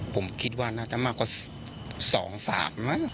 ผมคิดว่าน่าจะมากกว่า๒๓มั้ง